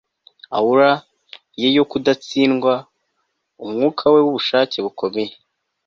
aura ye yo kudatsindwa, umwuka we wubushake bukomeye